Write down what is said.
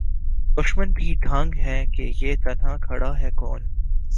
دُشمن بھی دنگ ہے کہ یہ تنہا کھڑا ہے کون